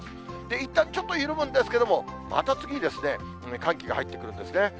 いったんちょっと緩むんですけれども、また次、寒気が入ってくるんですね。